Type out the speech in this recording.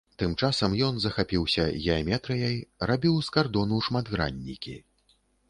Тым часам ён захапіўся геаметрыяй, рабіў з кардону шматграннікі.